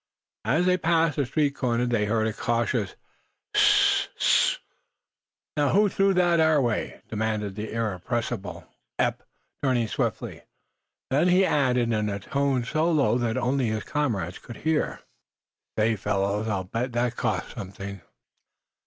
As they passed a street corner they heard a cautious: "Hss sst!" "Now, who threw that our way?" demanded the irrepressible Eph, turning swiftly. Then he added, in a tone so low that only his comrades could hear: "Say, fellows, I'll bet that cost something!"